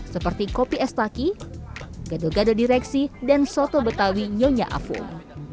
seperti kopi estaki gado gado direksi dan soto betawi nyonya afung